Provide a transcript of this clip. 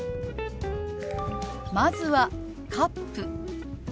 まずは「カップ」。